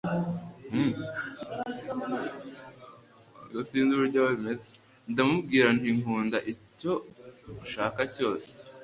Ndamubwira nti Nkunda icyo ushaka cyose